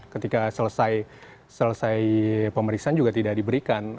ketika selesai pemeriksaan juga tidak diberikan